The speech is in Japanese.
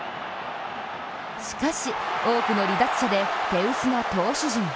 しかし、多くの離脱者で手薄な投手陣。